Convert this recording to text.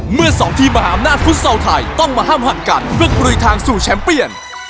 เมื่อสองทีมมหาอำนาจฟุตซอลไทยต้องมาห้ามหักกันเพื่อกลุยทางสู่แชมป์เปียน